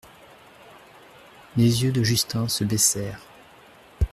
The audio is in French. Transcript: Les yeux de Justin se baissèrent.